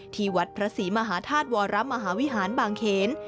ที่วัดพระศรีมหาธาตุวรมหาวิหารบางเขน